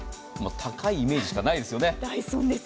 高いイメージしかないですよね。